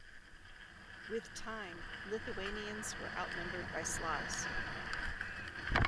With time Lithuanians were outnumbered by Slavs.